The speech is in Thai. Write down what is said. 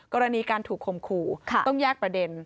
กรณีการถูกคมขู่ต้องแยกประเด็น